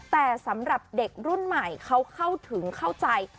แต่สำหรับเด็กรุ่นใหม่เขาเข้าถึงเข้าใจ